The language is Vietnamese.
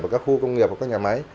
và các khu công nghiệp và các nhà máy